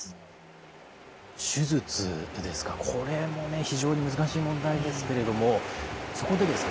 手術ですかこれもね非常に難しい問題ですけれどもそこでですね